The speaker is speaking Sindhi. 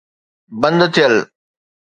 بند ٿيل.